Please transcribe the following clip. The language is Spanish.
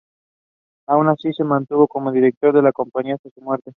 Aun así, se mantuvo como director de la compañía hasta su muerte.